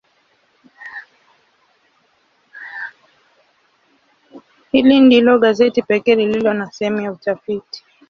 Hili ndilo gazeti pekee lililo na sehemu ya utafiti.